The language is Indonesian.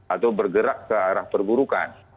atau bergerak ke arah perburukan